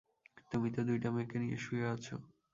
তুমি তো দুইটা মেয়েকে নিয়ে শুয়ে আছ।